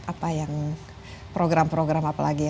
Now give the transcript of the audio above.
apa yang program program apa lagi